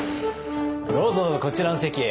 どうぞどうぞこちらの席へ。